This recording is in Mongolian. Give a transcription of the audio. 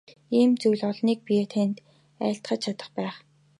Ийм зүйл олныг би танд айлтгаж чадах байна.